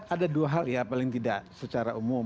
ada dua hal ya paling tidak secara umum